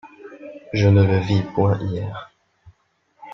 Je ne le vis point hier.